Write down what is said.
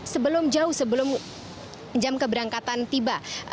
sebelum jauh sebelum jam keberangkatan tiba